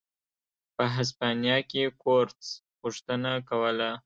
په هسپانیا کې کورتس غوښتنه کوله.